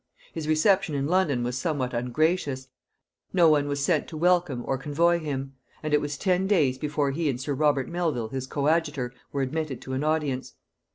His reception in London was somewhat ungracious; no one was sent to welcome or convoy him, and it was ten days before he and sir Robert Melvil his coadjutor were admitted to an audience.